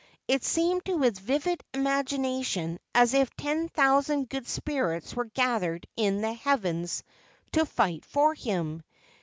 It seemed to his vivid imagination as if ten thousand good spirits were gathered in the heavens to fight for him.